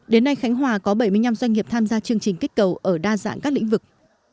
đến nay khánh hòa có bảy mươi năm doanh nghiệp tham gia chương trình kích cầu ở đa dạng các lĩnh vực